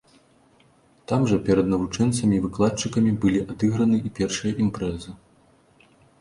Там жа перад навучэнцамі і выкладчыкамі былі адыграны і першыя імпрэзы.